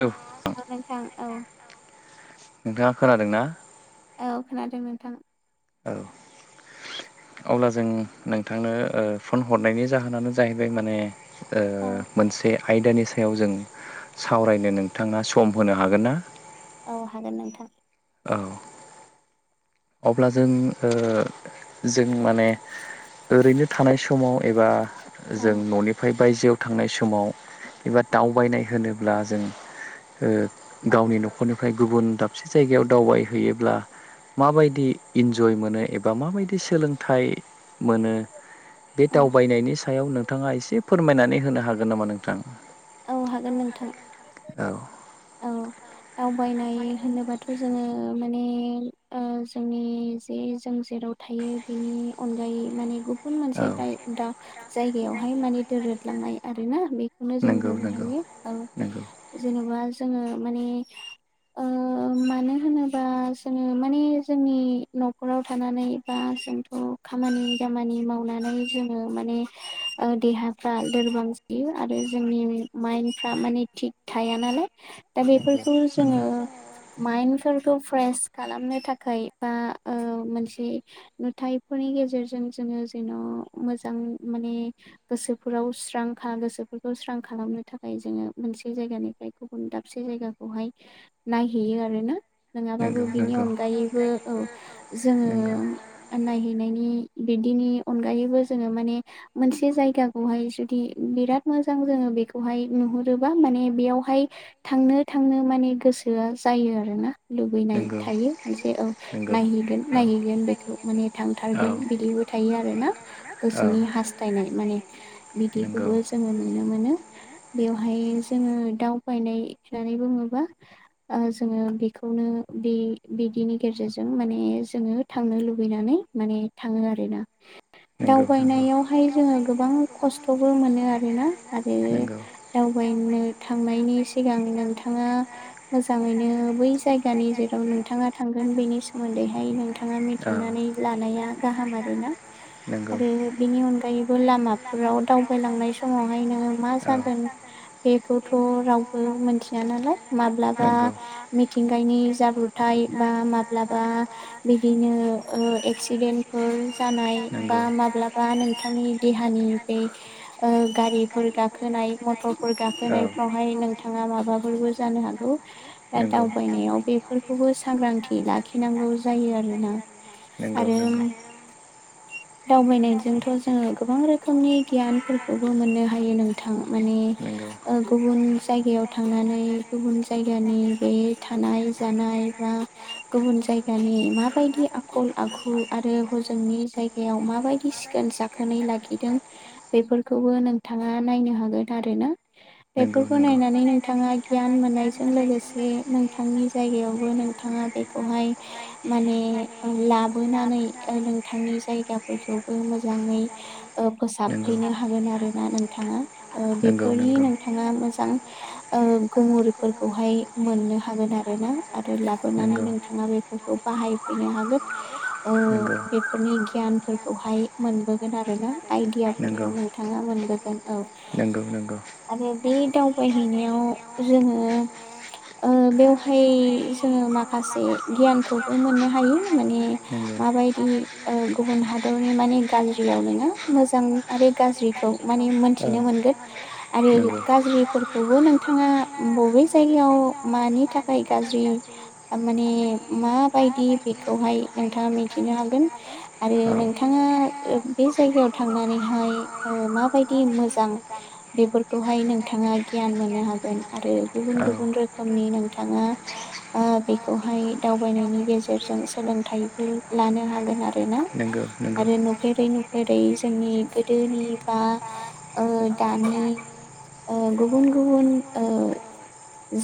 औ नोंथां औ नोंथांङा खोनादों ना? औ खोनादों नोंथां। औ अब्ला जों नोंथांनो फन हरनायनि जाहोनानो जाहैबाय माने मोनसे से आयदानि सायाव जों सावरायनो नोंथाङा सम होनो हागोन ना? औ हागोन नोंथां औ अब्ला जों जों माने ओरैनो थानाय समाव एबा जों न'निफ्राय बायजोआव थांनाय समाव एबा दावबायनाय होनोब्ला जों गावनि न'खरनिफ्राय गुबुन दाबसे जायगायाव दावबायहैयोब्ला माबायदि इन्जय मोनो एबा माबायदि सोलोंथाइ मोनो। बे दावबायनायनि सायाव नोंथाङा एसे फोरमायनानै होनो हागोन नामा नोंथां। औ हागोन नोंथां औ। दावबायनाय होनोबाथ' जोङो माने जोंनि जे जों जेराव थायो बिनि अनगायै माने गुबुन मोनसे जायगहाय माने दोरदलांनाय आरोना। बेखौनो जों बुंनो हायो जेनेबा जोङो माने मानो होनोबा जोङो माने जोंनि न'खराव थानानै बा जोंथ' खामानि दामानि मावनानै जोङो माने देहाफ्रा लोरबां जायो आरो। जोंनि माइन्दफ्रा माने थिग थाया नालाय दा बेफोरखौ जोङो माइन्फोरखौ फ्रेस खालामनो थाखाय बा मोनसे नुथायफोर फोरनि गेजेरजों जोङो जेन' मोजां माने गोसोफोराव स्रां खा गोसोफोरखौ स्रां खालामनो थाखाय जोङो मोनसे जायगानिफ्राय गुबुन दाबसे जायगाखौहाय नायहैयो। आरोना नङाबाबो बिनि अनगायैबो औ जोङो नायहैनायनि बिदिनि अनगायैबो जोङो माने मोनसे जायगाखौहाय जुदि बिराद मोजां जोङो बेखौहाय नुहुरोबा माने बेयावहाय थांनो थांनो माने गोसोआ जायो आरोना लुबैनाय थायो मोनसे औ नायहैगोन नायहैगोन बेखौ माने थांथारगोन बिदिबो थायो आरोना गोसोनि हास्थायनाय माने बिदिखौबो जो ङो नुनो मोनो बेवहाय जोङो दावबायनाय होननानै बुङोबा जोङो बेखौनो बे बिदिनि गेजेरजों माने जोङो थांनो लुबैनानै माने थाङो आरोना दावबायनायावहाय जोङो गोबां खस्थ'बो मोनो आरो। आरोना आरो दावबायनो थांनायनि सिगां नोंथाङा मोजां ङैनो बै जायगानि जेराव नोंथाङा थांगोन बेनि सोमोन्दैहाय नोंथाङा मिथिनानै लानो लानाया गाहाम आरो ना आरो बेनि अनगायैबो लामाफोराव दावबायलांनाय समाव समावहाय नोङो मा जागोन बेखौथ' रावबो मिथिया नालाय माब्लाबा मिथिंगानि जाब्रथाय बा माब्लाबा बिदिनो एक्सिडेन्टफोर जानाय बा माब्लाबा नोंथांनि देहानि बे गारिफोर गाखोनाय मथरफोर गाखोनायफ्रावहाय नोंथाङा माबाफोरबो जानो हागौ। दा दावबायनायाव बेफोरखौबो सांग्रांथि लाखिनांगौ जायो आरोना आरो दावबायनायजोंथ' जोङो गोबां रोखोमनि गियान फोरबो मोननो हायो। नोंथां माने गुबुन जायगायाव थांनानै गुबुन जायगानि बे थानाय जानाय बा गुबुन जायगानि माबायदि आखल ल आखु आरो हजोंनि जायगायाव माबायदि सिखोन साखोनै लाखिदों। बेफोरखौबो नोंथाङा नायनो हागोन आरो ना बेफोरखौ नायनानै नों थाङा गियान मोननायजों लोगोसे नोंथांनि जायगायावबो नोंथाङा। बेखौहाय माने लाबोनानै नोंथांनि जायगाफोरखौबो मोजाङै फोसाबफैनो हागोन आरो ना नोंथाङा बेफोरनि नोंथाङा मोजां गुमुरफोरखौहाय मोननो हागोन आरोना आरो लाबोनानै नोंथाङा बे बाहायफैनो हागोन बेफोरनि गियानफोरखौहाय मोनबोगोन आरो ना आइदिया खौ नोंथाङा मोनबोगोन औ आरो बे दावबायहैनायाव जोङो बेवहाय जोङो माखासे गियानखौबो मोननो हायो माने माबायदि गुबुन हादरनि माने गाज्रियाव नोङा मोजां आरो गाज्रिखौ माने मोनथिनो मोनगोन आरो गाज्रिफोरखौबो नोंथाङा बबे जायगायाव मानि थाखाय गाज्रि माने माबायदि बेखौ खौहाय नोंथाङा मिथिनो हागोन आरो नोंथाङा बे जायगायाव थांनानै बेहाय ओ माबायदि मोजां बेफोरखौहाय नोंथाङा गियान मोननो हागोन आरो आरो गुबुन गुबुन रोखोमनि नोंथाङा ओ बेखौहाय दावबायनायनि गेजेरजों सोलोंथाइबो लानो हागोन आरोना आरो नुफेरै नुफेरै जोंनि गोदोनि बा ओ दानि ओ गुबुन गुबुन ओ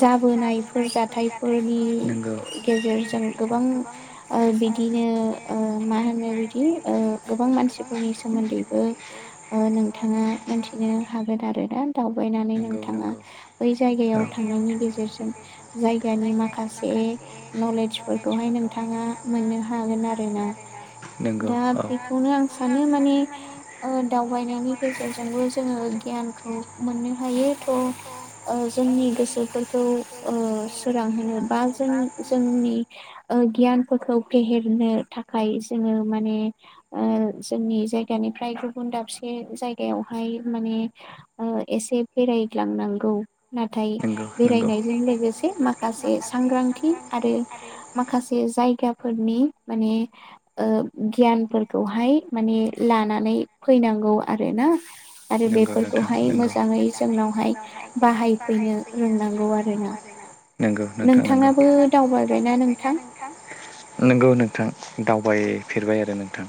जाबोनायफोर जाथायफोरनि गेजेरजों गोबां बिदिनो ओ मा ओ होनो बिदि गोबां मानसिफोरनि सोमोन्दैबो ओ नोंथाङा मोनथिनो हागोन आरो ना दावबायनानै नोंथाङा बै जायगायाव थां थांनायनि गेजेरजों जायगानि माखासे नलेजफोरखौहाय नोंथाङा मोननो हागोन आरोना दा बेखौनो आं सानो माने माने ओ दावबायनायनि गेजेरजोंबो जोङो गियानखौ मोननो हायो थ ओ जोंनि गोसोफोरखौ ओ सोरांहोनो बा जों जोंनि गियानफोरखौ फेहेरनो थाखाय जोङो माने ओ जोंनि जाय बिगानिफ्राय गुबुन दाबसे जायगायावहाय माने एसे ओ बेरायग्लांनांगौ। नाथाय बेरायनायजों लोगोसे माखासे सांग्रांथि आरो माखासे जायगाफोरनि माने ओ गियानफोरखौहाय माने लानानै फैनांगौ आरो ना आरो बेफोरखौहाय मोजाङै जोंनावहाय बाहाय फैनो रोंनांगौ आरोना नोंथाङाबो दावबायबायना नोंथां नंगौ नोंथां दावबायफेरबाय आरो नोंथां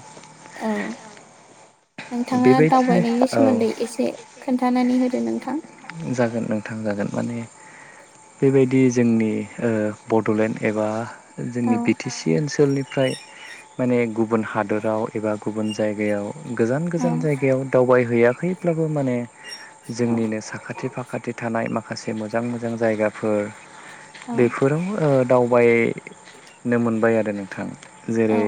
औ नोंथाङा दावबायनायनि सोमोन्दै एसे खोन्थानानै होदो नोंथां जागोन नोंथां जागोन माने बेबायदि जोंनि ओ बडलेण्ड एबा जोंनि बि टि सि ओनसोलनि फ्राय माने गुबुन हादराव एबा गुबुन जायगायाव गोजान गोजान जायगायाव दावबायहैयाखैब्लाबो माने जोंनिनो साखाथि साखाथि थानाय माखासे मोजां मोजां जायगाफोर बेफोराव ओ दावबायनो मोनबाय आरो नोंथां जेरै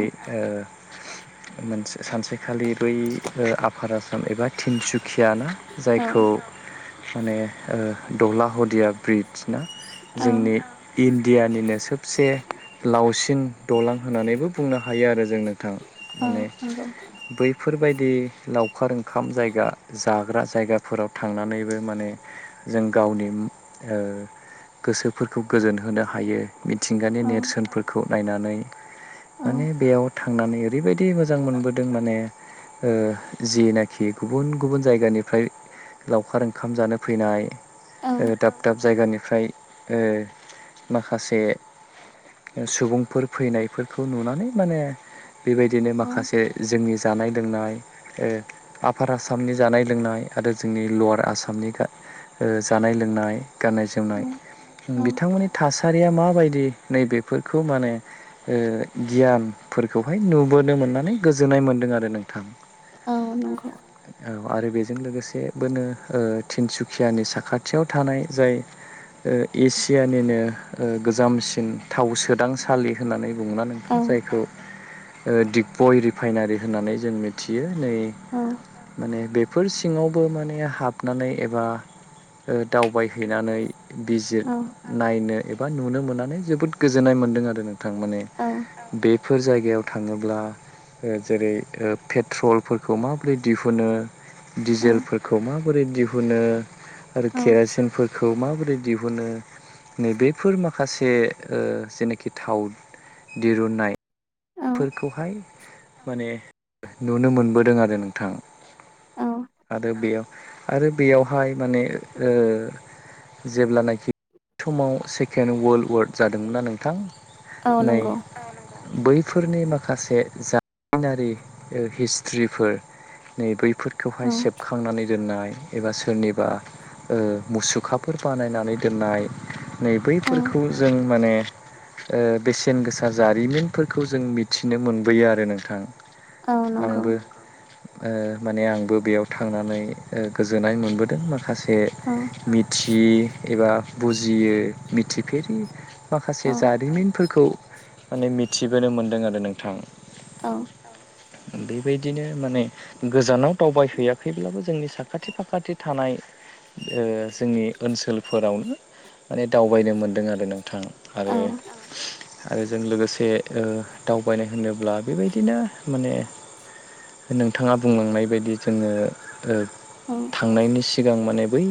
मोनसे सानसेखालि बै आफार आसाम एबा तिनसुखिया ना जायखौ माने दला हदिया ब्रिज ना जोंनि इण्डियानिनो सोबसे लावसिन दालां होननानैबो बुंनो हायो आरो जों नोंथां माने बैफोरबायदि लावखार ओंखाम जायगा जाग्रा जायगाफोराव थांनानैबो माने जों गावनि गोसोफोरखौ गोजोन होनो हायो मिथिंगानि नेरसोनफोरखौ नायनानै माने बेयाव थांनानै ओरैबायदि मोजां मोनबोदों माने ओ जेनाखि गुबुन गुबुन जायगानिफ्राय लावखार ओख ओंखाम जानो फैनाय ओ दाब दाब जायगानिफ्राय ओ माखासे सुबुंफोर फैनायफोरखौ नुनानै माने बेबायदिनो माखासे जोंनि जानाय लोंनाय ओ आफार आसामनि जानाय लोंनाय आरो जोंनि लवार आसाम जानाय लोंनाय गाननाय जोमनाय बिथांमोननि था सारिया माबायदि नैबेफोरखौ माने ओ गियानफोरखौहाय नुबोनो मोननानै गोजोननाय मोनदों आरो नोंथां औ नंगौ आरो बेजों लोगोसे बोनो तिनसुकियानि साखाथियाव थानाय जाय ओ एसियानिनो ओ गोजामसिन थाव सोदांसालि बुंङो नोंथां जायखौ दिग्बय रिफाइनारि होननानै जों मिथियो नै माने बेफोर सिङावबो माने हाब नानै एबा दावबायहैनानै बिजिर नायनो ए बा नुनो मोननानै जोबोद गोजोननाय मोन्दों आरो नोंथां माने बे फोर जायगायाव थाङोब्ला जेरै ओ पेट्रलफोरखौ माबोरै दिहुनो दिजेलफोरखौ माबोरै दिहुनो आरो केरासिनफोरखौ माबोरै दिहुनो नैबेफोर माखासे ओ जेनाखि थाव दिरुननाय फोरखौहाय माने नुनो मोनबोदों आरो नोंथां। आरो बेयाव आरो बेयावहाय माने ओ जेब्लानोखि समाव सेकेणड वर्ल्ड वार्ड जादोंमोनना नोंथां नै बै फोरनि माखासे जारिनारि हिस्ट्रिफोर नै बैफोर फोरखौहाय सेबखांनानै दोननाय एबा सोरनिबा ओ मुसुखाफोर बानायनानै दोननाय नै बैफोरखौ जों माने ओ बेसेन गोसा जारिमिनफोरखौ जों मिथिनो मोनबोयो आरो नोंथां औ नंगौ। ओ माने आंबो बेयाव थांनानै गोजोननाय मोनबोदों माखासे मिथि एबा बुजियो मिथिफेरि माखासे जारिमिनफोरखौ माने मिथिबोनो मोनदों आरो नोंथां औ बेबायदिनो माने गोजानाव दावबायहैयाखैब्लाबो जोंनि साखाथि फाखाथि थानाय जोंनि ओ ओनसोलफोरावनो माने दावबायनो मोनदों आरो नोंथां आरो आरो जों लोगोसे ओ दावबायनाय होनोब्ला बेबायदिनो माने नोंथाङा बुंलांनाय बायदि जोङो ओ थांनायनि सि गां माने बै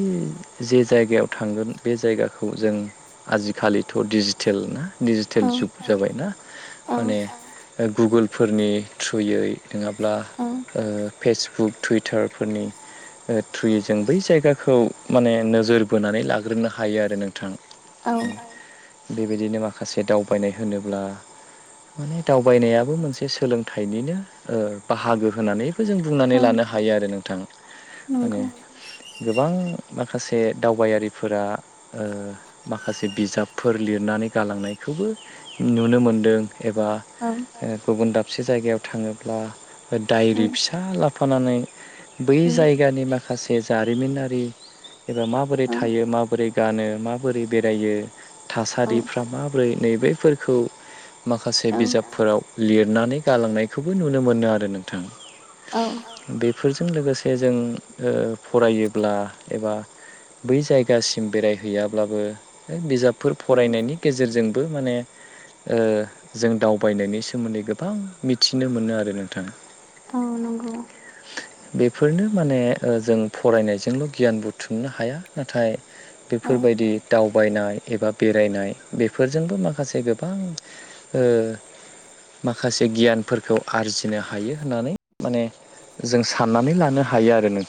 जे जायगायाव थांगोन बे जायगाखौ जों आजिखालिथ' दिडिजिटेल ना दिडजिटेल जुग जाबायना माने गुगोलफोरनि थ्रुयै नङाब्ला ओ फेसबुक टुइटारफोरनि थ्रुयै जों बै जायगाखौ माने नोजोर बोनानै लाग्रोनो हायो आरो नों थां बेबायदिनो माखासे दावबायनाय होनोब्ला माने दावबायनायाबो मोनसे सोलोंथाइनिनो ओ बाहागो होनानै बेखौ जों बुंनानै लानो हायो आरो नोंथां नंगौ। गोबां माखासे दावबायारिफोरा ओ माखासे बिजाबफोर लिर नानै गालांनायखौबो नुनो मोनदों। एबा गुबुन दाबसे जायगायाव थाङोब्ला डायरि फिसा ला फानानै बै जायगानि माखासे जारिमिनारि एबा माबोरै थायो माबोरै गानो माबोरै बेरायो थासारिफ्रा मा रै नैबेफोरखौ माखासे बिजाबफोराव लिरनानै गालांनायखौबो नुनो मोनो आरो नोंथां औ बेफोरजों लोगोसे जों ओ फरायोब्ला एबा बै जायगासिम बेरायहैयाब्लाबो ओ बिजाब फोर फरायनायनि गेजेरजोंबो माने जों दावबायनायनि सोमोन्दै गोबां मिथिनो मोनो आरो नोंथां औ नंगौ बेफोरनो माने जों फरायनायजोंल' गियान बुथुमनो हाया नाथाय बेफोरबायदि दाउ बायनाय एबा बेरायनाय बेफोरजोंबो माखासे गोबां माखासे गियानफोरखौ आरजिनो हायो होननानै माने जों साननानै लानो हायो आरो नों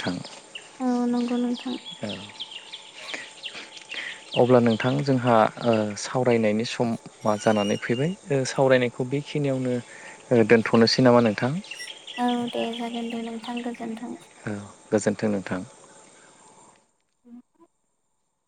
अ नंगौ नथां अब्ला नोंथां जोंहा सावरायनायनि समा जानानै फैबाय सावरायनायखौ बेखिनियावनो दोन्थ'नोसै नामा नोंथां औ गोजोन्थों नोंथां उम